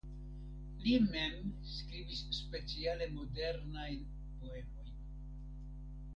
Li mem skribis speciale modernajn poemojn.